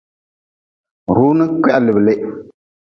Runi kwihaliblih.